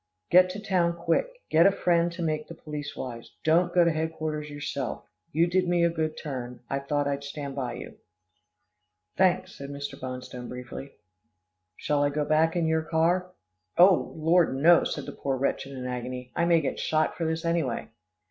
"Get to town quick. Get a friend to make the police wise. Don't go to headquarters yourself. You did me a good turn. I thought I'd stand by you." "Thanks," said Mr. Bonstone briefly. "Shall I go back in your car?" "Oh! Lord, no," said the poor wretch in an agony. "I may get shot for this, anyway."